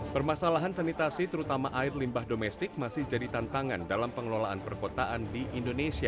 permasalahan sanitasi terutama air limbah domestik masih jadi tantangan dalam pengelolaan perkotaan di indonesia